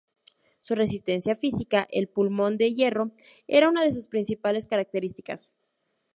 Su resistencia física, el pulmón de hierro, era una de sus principales características.